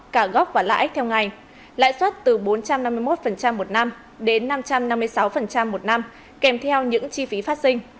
cả gốc và lãi theo ngày lãi suất từ bốn trăm năm mươi một một năm đến năm trăm năm mươi sáu một năm kèm theo những chi phí phát sinh